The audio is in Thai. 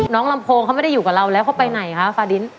ลำโพงเขาไม่ได้อยู่กับเราแล้วเขาไปไหนคะฟาดิน